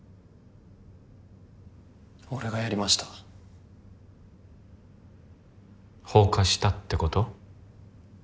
俺がやりました放火したってこと？